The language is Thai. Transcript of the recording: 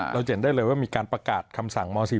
จะเห็นได้เลยว่ามีการประกาศคำสั่งม๔๔